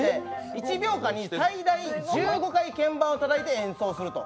１秒間に最大１５回鍵盤をたたいて演奏すると。